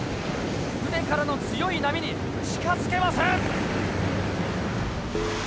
船からの強い波に近づけません。